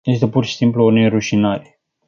Este pur și simplu o nerușinare...